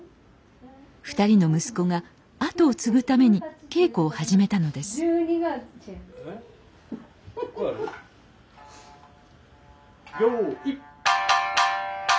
２人の息子が跡を継ぐために稽古を始めたのですよい。